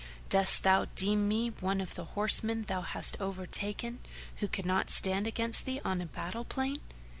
dost thou deem me one of the horsemen thou hast overta'en who cannot stand against thee on battle plain?"